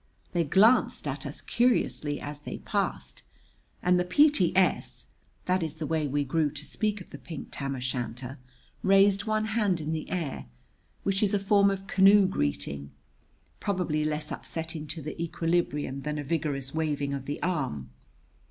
They glanced at us curiously as they passed, and the P.T.S. that is the way we grew to speak of the pink tam o' shanter raised one hand in the air, which is a form of canoe greeting, probably less upsetting to the equilibrium than a vigorous waving of the arm.